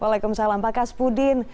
waalaikumsalam pak kas pudin